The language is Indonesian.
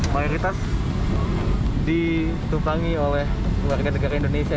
mayoritas ditumpangi oleh warga negara indonesia